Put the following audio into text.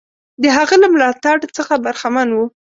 د هغه له ملاتړ څخه برخمن وو.